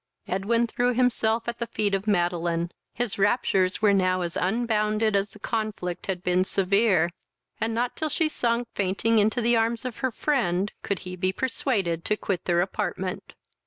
Edwin threw himself at the feet of Madeline. His raptures were now as unbounded as the conflict had been severe; and not till she sunk fainting into the arms of her friend, could he be persuaded to quit their apartment.